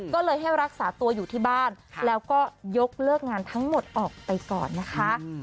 ก็เลยให้รักษาตัวอยู่ที่บ้านแล้วก็ยกเลิกงานทั้งหมดออกไปก่อนนะคะ